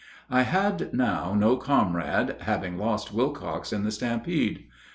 I had now no comrade, having lost Wilcox in the stampede.